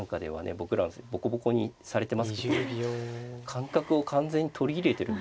僕らはぼこぼこにされてますけど感覚を完全に取り入れてるんですかね。